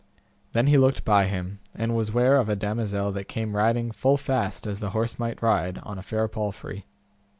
Then he looked by him, and was ware of a damosel that came riding full fast as the horse might ride, on a fair palfrey.